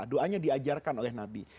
doanya diajarkan oleh nabi